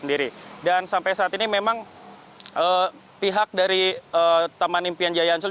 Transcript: dan sampai saat ini memang pihak dari taman impian jaya ancul